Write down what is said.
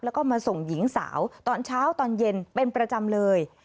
แล้วก็มาส่งหญิงสาวตอนเช้าตอนเย็นเป็นประจำเลย